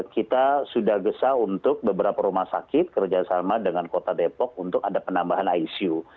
kita sudah gesa untuk beberapa rumah sakit kerjasama dengan kota depok untuk ada penambahan icu